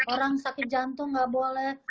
orang sakit jantung gak boleh